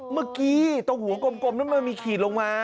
เมื่อกี้ตรงหัวกลมนั้นมันมีขีดลงมา